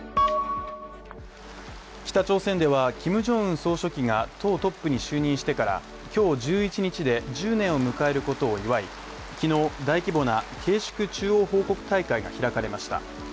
北朝鮮では、キム・ジョンウン総書記が党トップに就任してから今日１１日で、１０年を迎えることを祝い、昨日大規模な慶祝中央報告大会が開かれました。